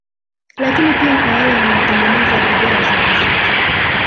Lakini pia kwa wale wanaotengeneza Video za muziki